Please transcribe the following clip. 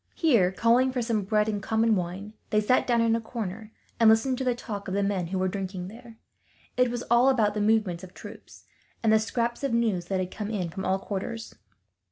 Here, calling for some bread and common wine, they sat down in a corner, and listened to the talk of the men who were drinking there. It was all about the movements of troops, and the scraps of news that had come in from all quarters.